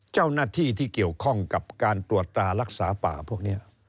เจ้าหน้าที่ที่เกี่ยวข้องกับการตรวจตรารักษาป่าพวกนี้